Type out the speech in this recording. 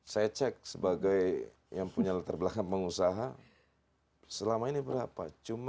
saya cek sebagai yang punya latar belakang pengusaha selama ini berapa